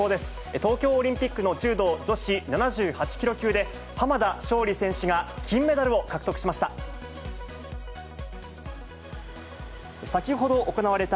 東京オリンピックの柔道女子７８キロ級で、浜田尚里選手が金メダルを獲得しました。